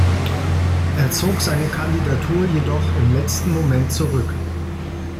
Er zog seine Kandidatur jedoch im letzten Moment zurück.